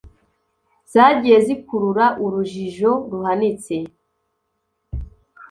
zagiye zikurura urujijo ruhanitse